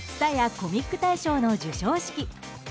コミック大賞の授賞式。